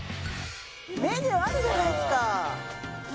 メニューあるじゃないですかへえ